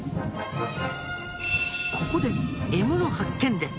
ここで獲物発見です。